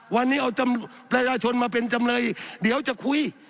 วันนี้เอาจำประชาชนมาเป็นจำเลยเดี๋ยวจะคุย